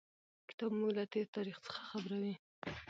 کتاب موږ له تېر تاریخ څخه خبروي.